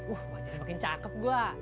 wajahnya makin cakep gue